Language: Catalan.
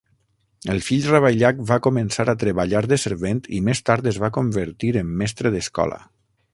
El fill Ravaillac va començar a treballar de servent i més tard es va convertir en mestre d'escola.